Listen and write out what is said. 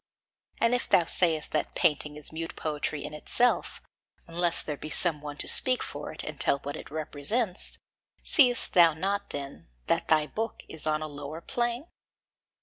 And if thou sayest that painting is mute poetry in itself, unless there be some one to speak for it and tell what it represents seest thou not, then, that thy book is on a lower plane?